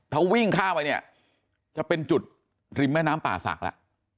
ถ้าวิ่งข้ามไปเนี่ยจะเป็นจุดริมแม่น้ำป่าศักดิ์แล้ว